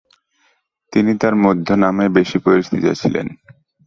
তিনি তার মধ্যনামেই বেশি পরিচিত ছিলেন।